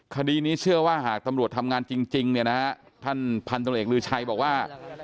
คดีนี้เชื่อว่าหากตำรวจทำงานจริงเนี่ยนะฮะท่านพันธุ์ตำรวจเอกลือชัยบอกว่า